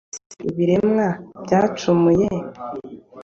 None se, nka twe ibiremwa byacumuye